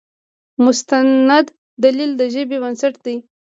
مستند دلیل د ژبې بنسټ دی.